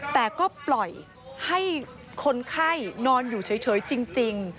แต่ก็ปล่อยให้คนไข้นอนอยู่เฉยจริง